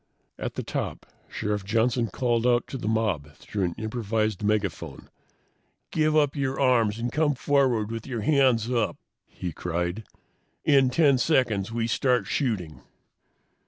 At the top, Sheriff Johnson called out to the mob through an improvised megaphone. "Give up your arms and come forward with your hands up!" he cried. "In 10 seconds we start shooting!"